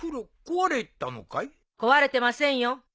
・壊れてませんよ。